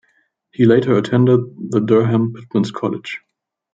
He later attended the Durham Pitmans College.